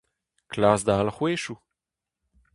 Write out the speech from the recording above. Klask da alc'hwezioù.